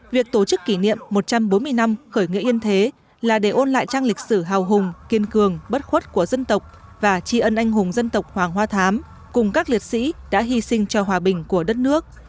việc tổ chức kỷ niệm một trăm bốn mươi năm khởi nghĩa yên thế là để ôn lại trang lịch sử hào hùng kiên cường bất khuất của dân tộc và tri ân anh hùng dân tộc hoàng hoa thám cùng các liệt sĩ đã hy sinh cho hòa bình của đất nước